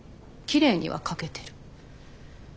きれいには描けてる。